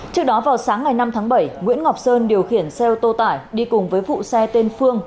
trước đó vào sáng ngày năm tháng bảy nguyễn ngọc sơn điều khiển xe ô tô tải đi cùng với vụ xe tên phương